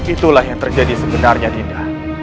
itulah yang terjadi sebenarnya dinda